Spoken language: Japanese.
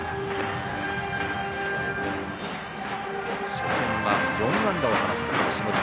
初戦は、４安打を放った下地。